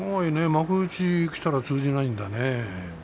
幕内にきたら通じないんだね。